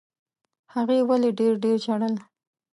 هغې ولي ډېر ډېر ژړل؟